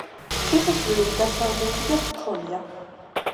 შესასვლელი დასავლეთიდან ჰქონია.